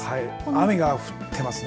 雨が降ってますね。